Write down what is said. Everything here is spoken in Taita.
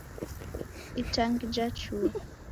Itangi ja chua